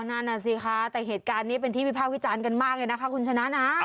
นั่นน่ะสิคะแต่เหตุการณ์นี้เป็นที่วิภาควิจารณ์กันมากเลยนะคะคุณชนะนะ